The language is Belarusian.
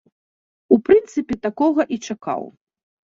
У прынцыпе, такога і чакаў.